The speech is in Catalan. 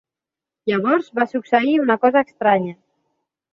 Llavors va succeir una cosa estranya.